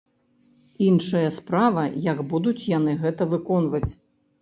Іншая справа, як будуць яны гэта выконваць.